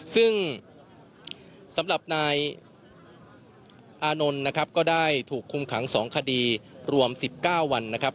ซึ่งสำหรับนายอานนท์นะครับก็ได้ถูกคุมขัง๒คดีรวม๑๙วันนะครับ